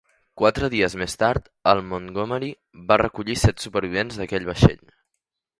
Quatre dies més tard, el "Montgomery" va recollir set supervivents d'aquell vaixell.